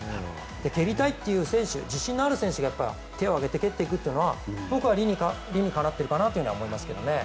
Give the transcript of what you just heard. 蹴りたいという選手自信のある選手が手を挙げて蹴っていくというのは僕は理にかなってるかなとは思いますけどね。